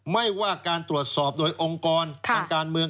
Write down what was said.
ไม่ว่าการตรวจสอบโดยองค์กรทางการเมือง